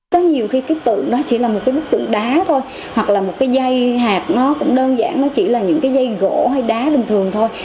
có nhiều khi cái tượng nó chỉ là một cái bức tượng đá thôi hoặc là một cái dây hạt nó cũng đơn giản nó chỉ là những cái dây gỗ hay đá bình thường thôi